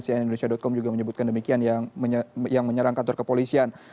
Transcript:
cnn indonesia com juga menyebutkan demikian yang menyerang kantor kepolisian